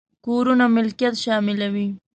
کورونو ملکيت شاملوي.